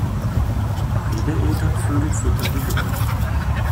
Beide Elternvögel füttern die Jungen.